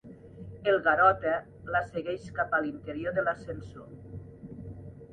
El Garota la segueix cap a l'interior de l'ascensor.